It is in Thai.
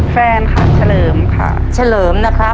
แฟนครับเฉลิมค่ะ